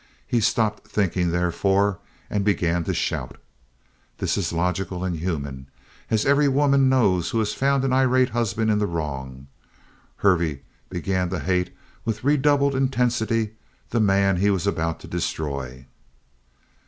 He stopped thinking, therefore, and began to shout. This is logical and human, as every woman knows who has found an irate husband in the wrong. Hervey began to hate with redoubled intensity the man he was about to destroy.